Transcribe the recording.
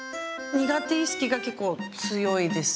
苦手意識が結構強いです。